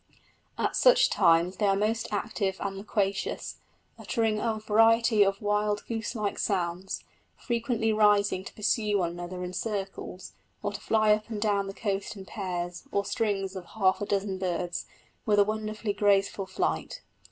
At such times they are most active and loquacious, uttering a variety of wild goose like sounds, frequently rising to pursue one another in circles, or to fly up and down the coast in pairs, or strings of half a dozen birds, with a wonderfully graceful flight.